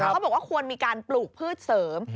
เขาบอกว่าควรมีการปลูกพืชเสริม